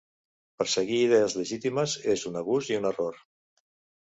Perseguir idees legítimes és un abús i un error.